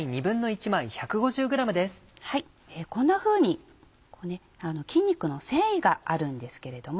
こんなふうに筋肉の繊維があるんですけれども。